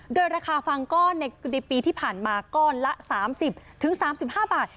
โดยราคาฟังก้อนในปีที่ผ่านมาก้อนละ๓๐๓๕บาท